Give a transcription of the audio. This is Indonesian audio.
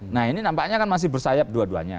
nah ini nampaknya kan masih bersayap dua duanya